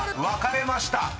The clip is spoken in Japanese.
分かれました。